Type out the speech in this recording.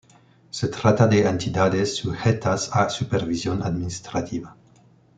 Se trata de entidades sujetas a supervisión administrativa.